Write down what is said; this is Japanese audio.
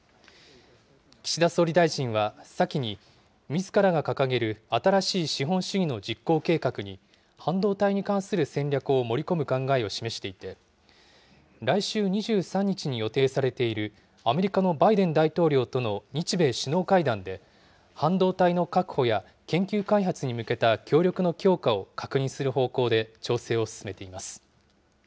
岸田総理大臣は先に、みずからが掲げる新しい資本主義の実行計画に半導体に関する戦略を盛り込む考えを示していて、来週２３日に予定されているアメリカのバイデン大統領との日米首脳会談で、半導体の確保や研究開発に向けた協力の強化を確認する方向で調整を進めています。